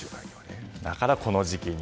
だから、この時期に。